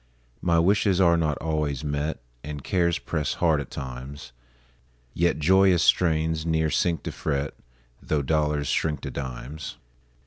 My wishes are not always met, And cares press hard at times; Yet joyous strains ne'er sink to fret, Tho' dollars shrink to dimes.